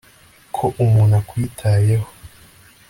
Ko umuntu akwitayeho